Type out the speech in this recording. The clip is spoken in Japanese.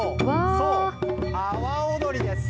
そう、阿波踊りです。